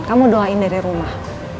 kamu doain dari rumah